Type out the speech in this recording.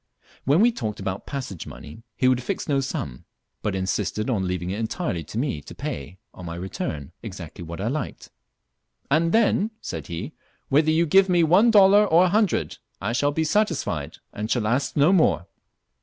When we talked about passage money he would fix no sum, but insisted on leaving it entirely to me to pay on my return exactly what I liked. "And then," said he, "whether you give me one dollar or a hundred, I shall be satisfied, and shall ask no more."